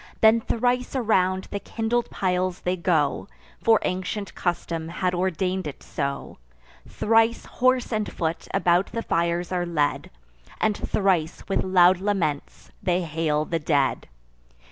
Then thrice around the kindled piles they go (For ancient custom had ordain'd it so) Thrice horse and foot about the fires are led; And thrice, with loud laments, they hail the dead.